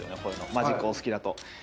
マジックお好きだと。